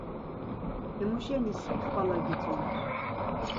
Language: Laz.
Hemu şeni si xvala gitzumer.